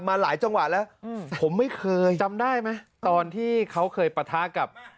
มาหลายจังหวะแล้วผมไม่เคยจำได้ไหมตอนที่เขาเคยปะทะกับ